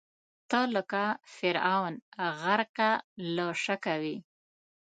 ته لکه فرعون، غرقه له شکه وې